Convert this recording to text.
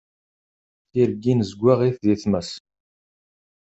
Tirgin zeggaɣit di tmes.